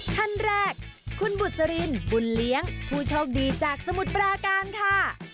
ท่านแรกคุณบุษรินบุญเลี้ยงผู้โชคดีจากสมุทรปราการค่ะ